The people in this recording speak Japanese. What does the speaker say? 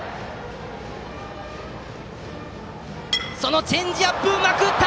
そのチェンジアップをうまく打った！